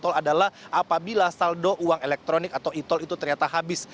tol adalah apabila saldo uang elektronik atau e tol itu ternyata habis